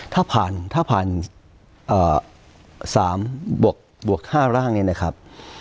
ถ้าผ่านสามบวกห้าร่างนี้นะครับ